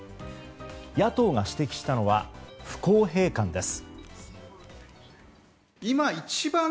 野党が指摘したのは不公平感です。